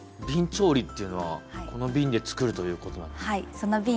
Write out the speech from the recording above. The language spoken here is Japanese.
びん調理っていうのはこのびんで作るということなんですか？